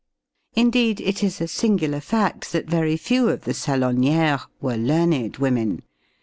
Indeed, it is a singular fact that very few of the salonières were learned women.